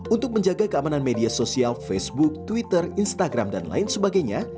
untuk menjaga keamanan media sosial facebook twitter instagram dan lain sebagainya